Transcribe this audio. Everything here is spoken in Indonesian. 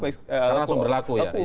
karena langsung berlaku ya